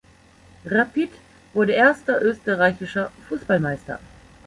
Rapid wurde erster österreichischer Fußballmeister.